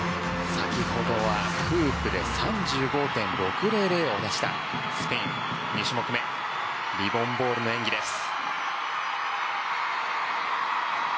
先ほどはフープで３５．６００を出したスペイン２種目めリボン・ボールの演技です。